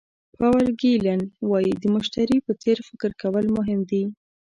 پاول ګیلن وایي د مشتري په څېر فکر کول مهم دي.